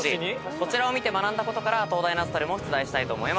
こちらを見て学んだことから東大ナゾトレも出題したいと思います。